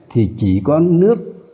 thì chỉ có nước